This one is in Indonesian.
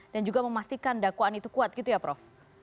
dan juga memastikan dakwaan itu kuat gitu ya prof